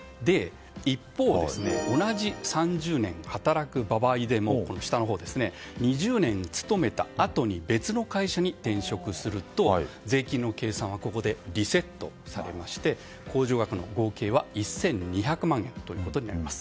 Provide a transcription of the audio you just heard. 一方、同じ３０年働く場合でも２０年勤めたあとに別の会社に転職すると税金の計算はここでリセットされまして控除額の合計は１２００万円となります。